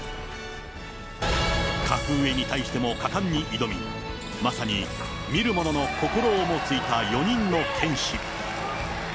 格上に対しても果敢に挑み、まさに見る者の心をもついた４人の剣士。